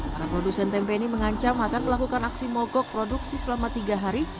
para produsen tempe ini mengancam akan melakukan aksi mogok produksi selama tiga hari